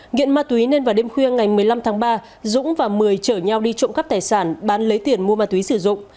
nghiện ma túy nên vào đêm khuya ngày một mươi năm tháng ba dũng và mười chở nhau đi trộm cắp tài sản bán lấy tiền mua ma túy sử dụng